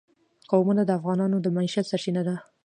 قومونه د افغانانو د معیشت سرچینه ده.